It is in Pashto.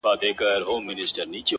هغه خو دا خبري پټي ساتي،